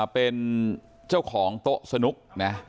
เป็นเจ้าของโต๊ะสนุกนะ